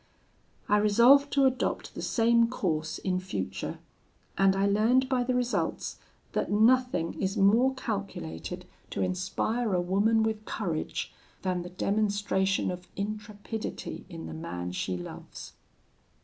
"I resolved to adopt the same course in future; and I learned by the results, that nothing is more calculated to inspire a woman with courage than the demonstration of intrepidity in the man she loves.